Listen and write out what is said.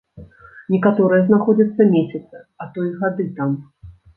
Некаторыя знаходзяцца месяцы, а то і гады там.